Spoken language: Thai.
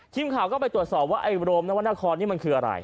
ทีมข่าวก็ไปตรวจสอบว่าไอ้โรมนวรรณครนี่มันคืออะไร